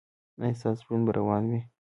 ایا ستاسو ژوند به روان وي؟